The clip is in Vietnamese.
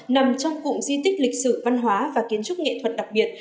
nằm trong cụm di tích lịch sử văn hóa và kiến trúc nghệ thuật đặc biệt